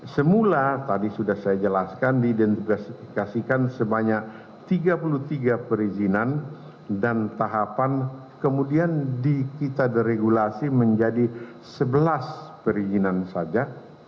semula tadi sudah saya jelaskan diidentifikasikan sebanyak tiga puluh tiga perizinan dan tahapan kemudian kita deregulasi menjadi sebelas perizinan saja